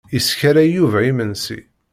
Yeskaray Yuba imensi.